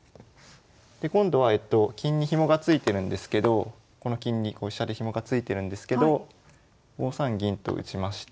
で今度は金にひもがついてるんですけどこの金に飛車でヒモがついてるんですけど５三銀と打ちまして。